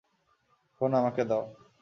Phone আমাকে দাও?